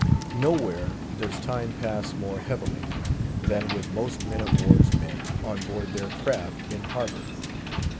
Nowhere does time pass more heavily than with most men of war's men on board their craft in harbour.